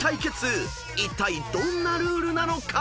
［いったいどんなルールなのか］